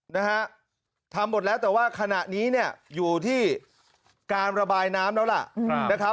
นะฮะทำหมดแล้วแต่ว่าขณะนี้เนี่ยอยู่ที่การระบายน้ำแล้วล่ะนะครับ